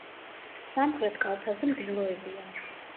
სამხრეთ კალთაზე მდელოებია.